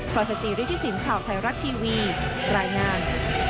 พรสจิริทศิลป์ข่าวไทยรัฐทีวีรายงาน